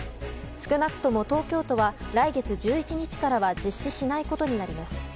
少なくとも東京都は来月１１日からは実施しないことになります。